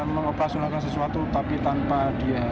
mengoperasionalkan sesuatu tapi tanpa dia